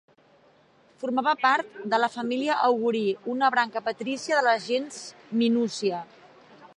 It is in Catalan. Formava part de la família Augurí, una branca patrícia de la gens Minúcia.